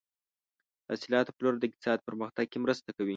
د حاصلاتو پلور د اقتصاد پرمختګ کې مرسته کوي.